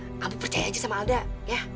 ah ambu percaya aja sama alda ya